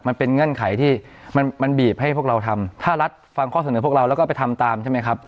เงื่อนไขที่มันบีบให้พวกเราทำถ้ารัฐฟังข้อเสนอพวกเราแล้วก็ไปทำตามใช่ไหมครับ